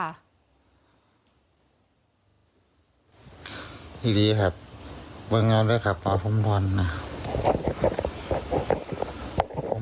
ที่ดีครับวันนั้นด้วยครับพ่อท่านพรรณนะครับ